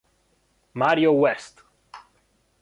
Mario West